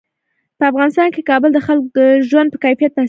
په افغانستان کې کابل د خلکو د ژوند په کیفیت تاثیر کوي.